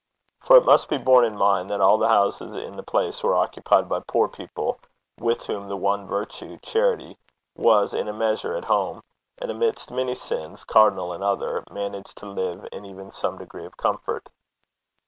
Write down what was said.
For it must be borne in mind that all the houses in the place were occupied by poor people, with whom the one virtue, Charity, was, in a measure, at home, and amidst many sins, cardinal and other, managed to live in even some degree of comfort.